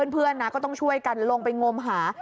เพื่อนนะก็ต้องช่วยกันลงไปงมหา